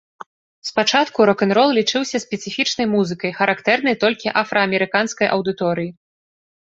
Спачатку рок-н-рол лічыўся спецыфічнай музыкай, характэрнай толькі афраамерыканскай аўдыторыі.